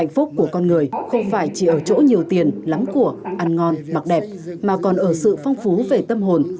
vì ở chỗ nhiều tiền lắm của ăn ngon mặc đẹp mà còn ở sự phong phú về tâm hồn